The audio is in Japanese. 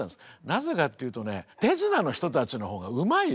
なぜかっていうとね手品の人たちの方がうまいですよね。